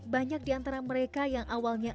banyak di antara mereka yang awalnya